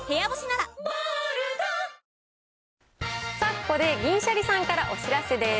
ここで銀シャリさんからお知らせです。